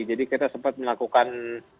jadi kita sempat melakukan